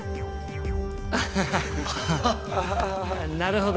アハハなるほど。